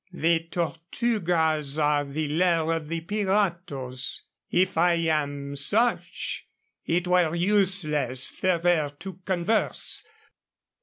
"The Tortugas are the lair of the piratos. If I am such, it were useless further to converse.